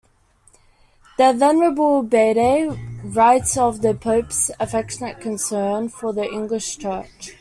The Venerable Bede writes of the pope's affectionate concern for the English Church.